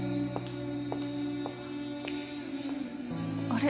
・あれ？